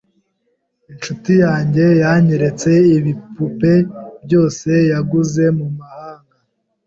Inshuti yanjye yanyeretse ibipupe byose yaguze mumahanga.